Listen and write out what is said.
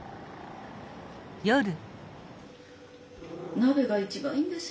鍋が一番いいんですよ。